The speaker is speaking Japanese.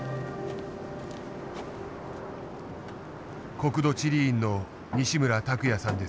国土地理院の西村卓也さんです。